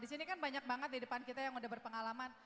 di sini kan banyak banget di depan kita yang udah berpengalaman